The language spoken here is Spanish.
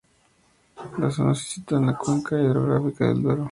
La zona se sitúa en la cuenca hidrográfica del Duero.